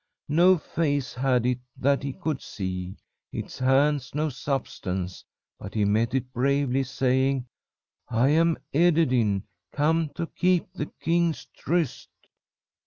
No face had it that he could see, its hands no substance, but he met it bravely, saying: 'I am Ederyn, come to keep the king's tryst.'